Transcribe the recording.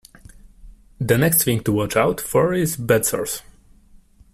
The next thing to watch out for is bed sores.